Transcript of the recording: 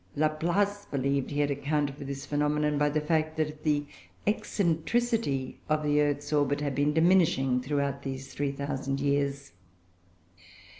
Laplace believed he had accounted for this phenomenon by the fact that the eccentricity of the earth's orbit has been diminishing throughout these 3,000 years.